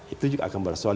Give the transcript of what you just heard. itu juga akan bersoal